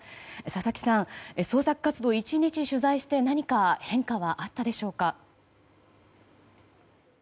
佐々木さん、捜索活動を１日、取材して何か変化はあったでしょうか。